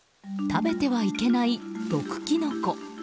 食べてはいけない、毒キノコ。